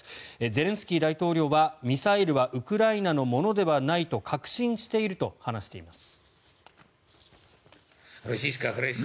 ゼレンスキー大統領はミサイルはウクライナのものではないと確信していると話しています。